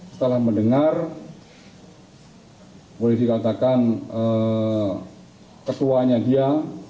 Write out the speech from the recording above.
setelah mendengar boleh dikatakan ketuanya dia